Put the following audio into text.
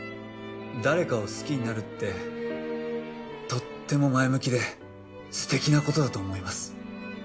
誰かを好きになるってとっても前向きで素敵な事だと思います。